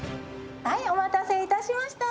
お待たせいたしました。